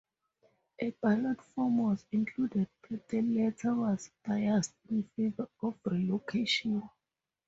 A ballot form was included but the letter was biased in favour of relocation.